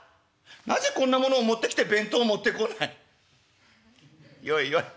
なぜこんなものを持ってきて弁当を持ってこない？よいよい。